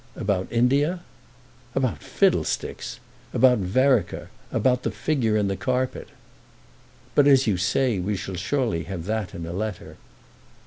"About India?" "About fiddlesticks! About Vereker—about the figure in the carpet." "But, as you say, we shall surely have that in a letter."